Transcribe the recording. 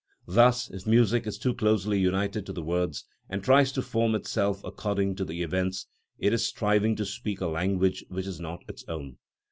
Thus, if music is too closely united to the words, and tries to form itself according to the events, it is striving to speak a language which is not its own.